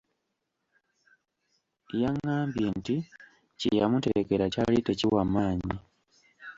Yangambye nti kye yamuterekera kyali tekiwa maanyi.